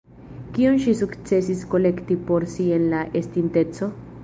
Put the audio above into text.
Kion ŝi sukcesis kolekti por si en la estinteco?